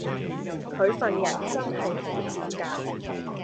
佢份人真係好賤格